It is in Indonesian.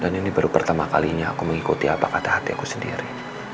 dan ini baru pertama kalinya aku mengikuti apa kata hati aku sendiri